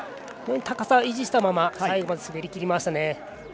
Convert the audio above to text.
高さを維持したまま最後まで滑りきりました。